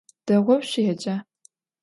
Değou şsuêca?